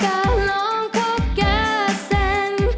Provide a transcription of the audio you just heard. กล้าลองคบแก้แสง